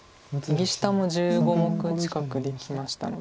右下も１５目近くできましたので。